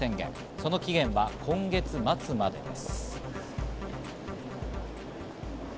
その期限は今月末までです。